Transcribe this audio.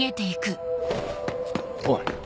おい！